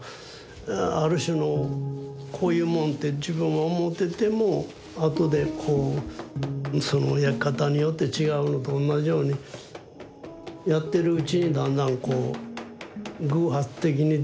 ある種のこういうもんって自分は思っててもあとでこうその焼き方によって違うのとおんなじようにやってるうちにだんだんこう偶発的に出てくる。